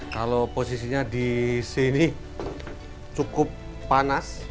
kalau posisinya di sini cukup panas